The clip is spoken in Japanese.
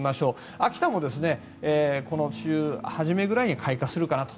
秋田も、週初めぐらいに開花するかなと。